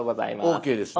「ＯＫ」ですね？